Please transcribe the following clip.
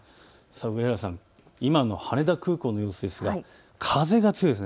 上原さん、今の羽田空港の様子ですが風が強いです。